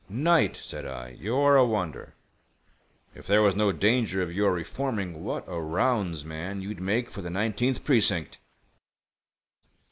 "Knight," said I, "you're a wonder. If there was no danger of your reforming, what a rounds man you'd make for the Nineteenth Precinct!"